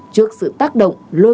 trước sự tác động lôi